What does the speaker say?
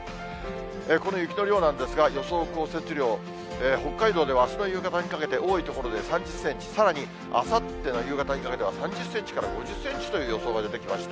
この雪の量なんですが、予想降雪量、北海道ではあすの夕方にかけて、多い所で３０センチ、さらにあさっての夕方にかけては、３０センチから５０センチという予想が出てきました。